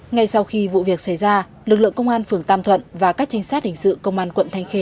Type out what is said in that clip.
ngay sau khi vụ việc xảy ra lực lượng công an phường tam thuận và các trinh sát hình sự công an quận thanh khê